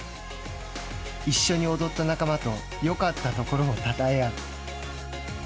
一緒に踊った仲間と「よかったところ」をたたえ合う。